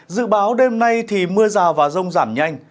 dự báo đêm nay thì mưa rào và rông giảm nhanh